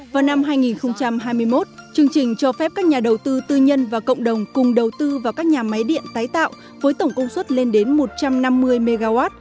vào năm hai nghìn hai mươi một chương trình cho phép các nhà đầu tư tư nhân và cộng đồng cùng đầu tư vào các nhà máy điện tái tạo với tổng công suất lên đến một trăm năm mươi mw